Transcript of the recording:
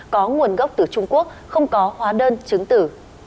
có nguồn gốc từ trung quốc không có hóa đơn chứng tử